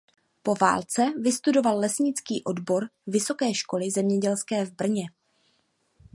Po válce vystudoval lesnický odbor Vysoké školy zemědělské v Brně.